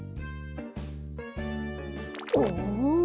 おお。